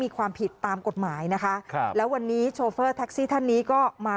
ไม่ครับผมไม่ได้พูดอะไรแต่คำ